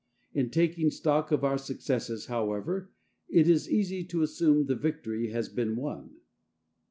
In taking stock of our successes, however, it is easy to assume the victory has been won.